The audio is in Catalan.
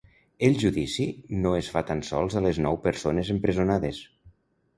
El judici no es fa tan sols a les nou persones empresonades.